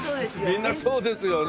みんなそうですよね。